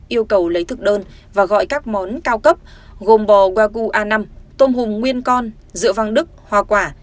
yêu cầu lấy thức đơn và gọi các món cao cấp gồm bò wagyu a năm tôm hùm nguyên con rượu văng đức hoa quả